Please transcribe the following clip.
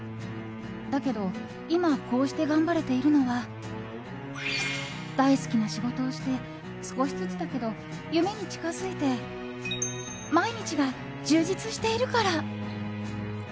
だけど今こうして頑張れているのは大好きな仕事をして少しずつだけど夢に近づいて毎日が充実しているから。